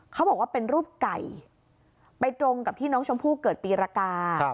เขาบอกว่าเป็นรูปไก่ไปตรงกับที่น้องชมพู่เกิดปีรกา